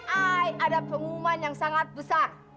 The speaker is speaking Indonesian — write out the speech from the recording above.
ada pengumuman yang sangat besar